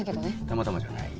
たまたまじゃない？